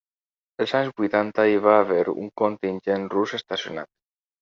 Els anys vuitanta hi va haver un contingent rus estacionat.